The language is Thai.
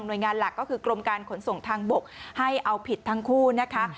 โดยงานหลักก็คือกรมการขนส่งทางบกให้เอาผิดทั้งคู่นะคะ